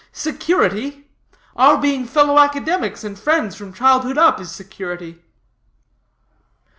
Security? Our being fellow academics, and friends from childhood up, is security."